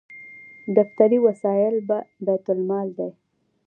دفتري وسایل بیت المال دي